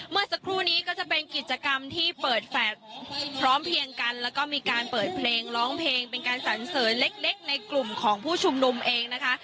เมื่อสักครู่นี้ก็จะเป็นกิจกรรมที่เปิดแฟลตพร้อมเพียงกันแล้วก็มีการเปิดเพลงร้องเพลงเป็นการสันเสริญเล็กในกลุ่มของผู้ชุมนุมเองนะคะ